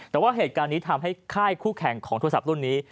แต่ว่าเหตุการณ์นี้ทำให้ค่ายคู่แข่งของโทรศัพท์รุ่นนี้